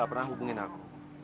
aku pernah mengingatmu